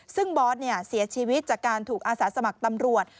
ซึ่งบอสเสียชีวิตจากการถูกอาสาสมัครตำรวจ